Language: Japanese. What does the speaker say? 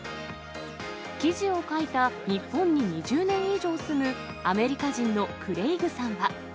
記事を書いた日本に２０年以上住むアメリカ人のクレイグさんは。